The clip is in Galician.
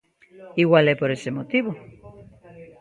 Igual é por ese motivo.